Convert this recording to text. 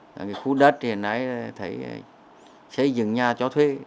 cái khu đất thì nãy thấy xây dựng nhà cho thuê